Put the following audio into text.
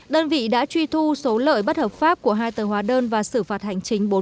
đơn vị đã truy thu số lợi bất hợp pháp của hai tờ hóa đơn và xử phạt hành chính bốn triệu đồng